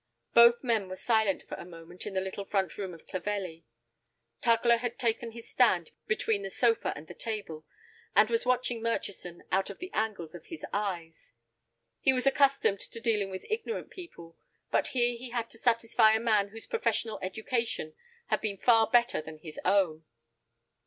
Both men were silent for a moment in the little front room of Clovelly. Tugler had taken his stand between the sofa and the table, and was watching Murchison out of the angles of his eyes. He was accustomed to dealing with ignorant people, but here he had to satisfy a man whose professional education had been far better than his own.